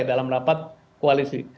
dalam rapat koalisi